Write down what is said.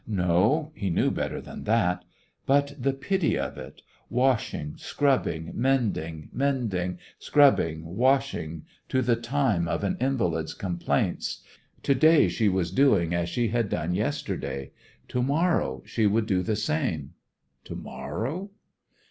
No, he knew better than that. But the pity of it! washing, scrubbing, mending; mending, scrubbing, washing to the time of an invalid's complaints. To day she was doing as she had done yesterday; to morrow she would do the same. To morrow?